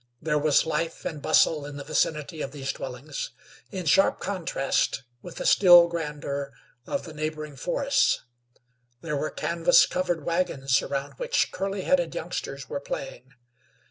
There was life and bustle in the vicinity of these dwellings, in sharp contrast with the still grandeur of the neighboring forests. There were canvas covered wagons around which curly headed youngsters were playing.